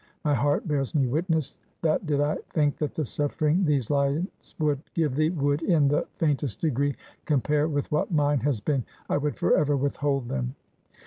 My heart bears me witness, that did I think that the suffering these lines would give thee, would, in the faintest degree, compare with what mine has been, I would forever withhold them.